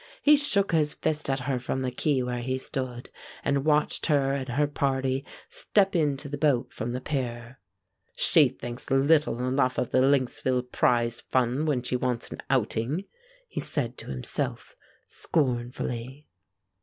He shook his fist at her from the quay where he stood, and watched her and her party step into the boat from the pier. "She thinks little enough of the Lynxville Prize Fund when she wants an outing," he said to himself, scornfully.